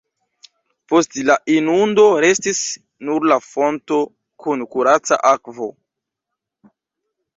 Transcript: Post la inundo restis nur la fonto kun kuraca akvo.